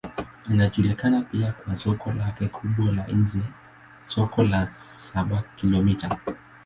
Inajulikana pia kwa soko lake kubwa la nje, Soko la Saba-Kilomita.